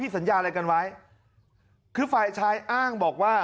ใช้จ่ายตลอดแต่งวดแรกงวดที่สี่สิบกว่า